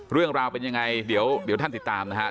เรื่องราวเป็นยังไงเดี๋ยวท่านติดตามนะฮะ